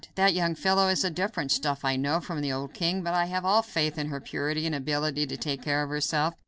That young fellow is of different stuff, I know, from the old king, but I have all faith in her purity and ability to take care of herself.